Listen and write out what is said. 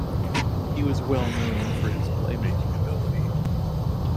He was well known for his playmaking ability.